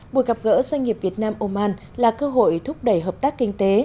buổi gặp gỡ doanh nghiệp việt nam oman là cơ hội thúc đẩy hợp tác kinh tế